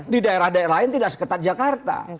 di daerah daerah lain tidak seketat jakarta